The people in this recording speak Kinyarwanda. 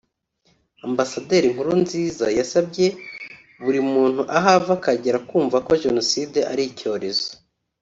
Ambasaderi Nkurunziza yasabye buri muntu aho ava akagera kumva ko Jenoside ari icyorezo